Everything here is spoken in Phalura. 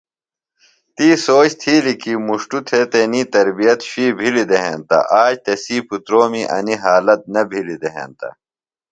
تی سوچ تِھیلیۡ کی مُݜٹوۡ تھےۡ تنیۡ تربیت شُوئی بِھلیۡ دےۡ ہینتہ آج تسی پُترومی انیۡ حالت نہ بِھلیۡ دےۡ ہینتہ۔